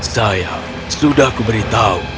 sayang sudah kuberitahu